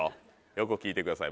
よく聞いてください